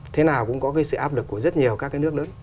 thế nào cũng có sự áp lực của rất nhiều các nước lớn